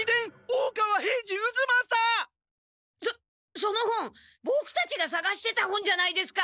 そその本ボクたちがさがしてた本じゃないですか！